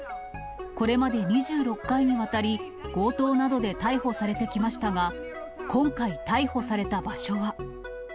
これまで２６回にわたり、強盗などで逮捕されてきましたが、今回、逮捕された場所は。